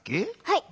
はい。